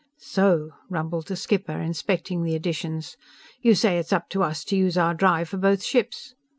"So!" rumbled the skipper, inspecting the additions. "You say it's up to us to use our drive for both ships."